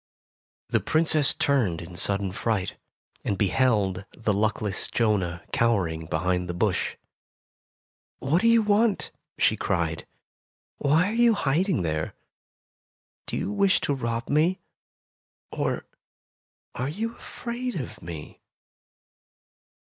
The Princess turned in sudden fright, and beheld the luckless Jonah cowering behind the bush. ''What do you want '' she cried. "Why are you hiding there ? Do you wish to rob me, or are you afraid of me